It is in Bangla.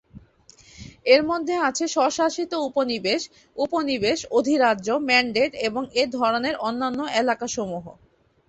এর মধ্যে আছে স্বশাসিত উপনিবেশ, উপনিবেশ, অধিরাজ্য, ম্যান্ডেট এবং এ ধরনের অন্যান্য এলাকা সমূহ।